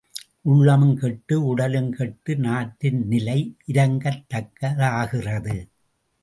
உள்ளமும் கெட்டு உடலும் கெட்டு நாட்டின் நிலை இரங்கத் தக்க தாகிறது.